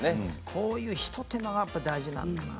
こういうひと手間が大事なんだな。